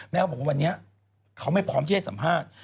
เขาบอกว่าวันนี้เขาไม่พร้อมที่จะให้สัมภาษณ์